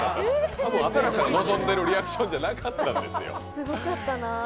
多分、新子さんが望んでるリアクションじゃなかったんですよ。